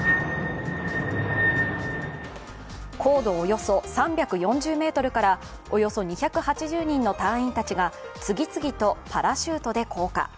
高度およそ３４０ｍからおよそ２８０人の隊員たちが次々とパラシュートで降下。